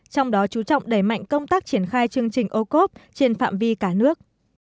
trong đó chú trọng đẩy mạnh công tác triển khai chương trình ocob trên phạm vi cả nước